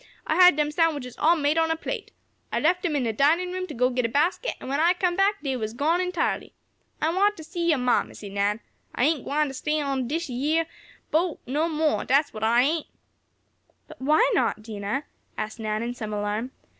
I had dem sandwiches all made an' on a plate. I left dem in de dinin' room to go git a basket, an' when I come back, dey was gone entirely. I want t' see yo' ma, Missie Nan. I ain't gwing t' stay on dish yeah boat no mo, dat's what I ain't!" "But why not, Dinah?" asked Nan, in some alarm.